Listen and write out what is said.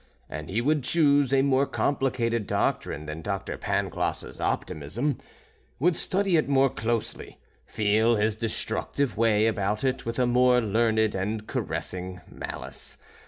And he would choose a more complicated doctrine than Dr. Pangloss's optimism, would study it more closely, feel his destructive way about it with a more learned and caressing malice.